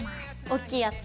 おっきいやつ。